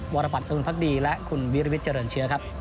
วรบัตรอึงพักดีและคุณวิริวิทยเจริญเชื้อครับ